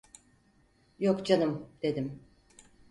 "Yok canım!" dedim.